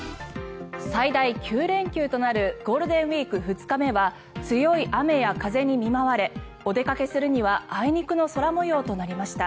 最大９連休となるゴールデンウィーク２日目は強い雨や風に見舞われお出かけするにはあいにくの空模様となりました。